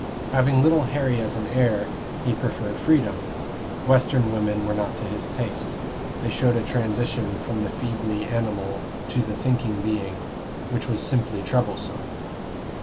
Having little Harry as an heir, he preferred freedom. Western women were not to his taste; they showed a transition from the feebly animal to the thinking being, which was simply troublesome.